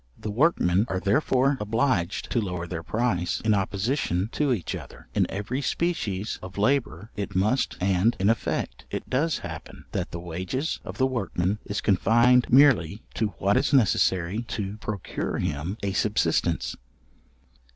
The workmen are therefore obliged to lower their price in opposition to each other. In every species of labour it must, and, in effect, it does happen, that the wages of the workman is confined merely to what is necessary to procure him a subsistence.